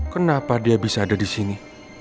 kenapa dia bisa ada disini